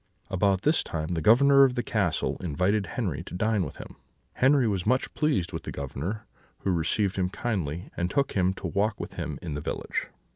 "About this time the Governor of the castle invited Henri to dine with him. Henri was much pleased with the Governor, who received him kindly, and took him to walk with him in the village.